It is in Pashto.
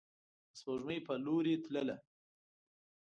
د سپوږمۍ په لوري تلله